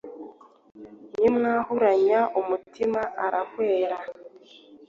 rimwahuranya umutima arahwera;